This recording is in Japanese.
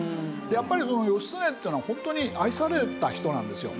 やっぱりその義経っていうのはホントに愛された人なんですよ。